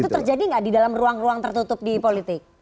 itu terjadi nggak di dalam ruang ruang tertutup di politik